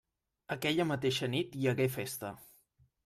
Aquella mateixa nit hi hagué festa.